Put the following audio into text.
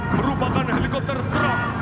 merupakan helikopter serang